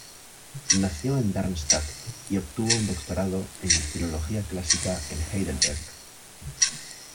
Nació en Darmstadt, y obtuvo un doctorado en filología clásica en Heidelberg.